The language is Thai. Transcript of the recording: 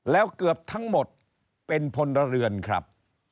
แล้วเกือบทั้งหมดเป็นพลเรือนครับ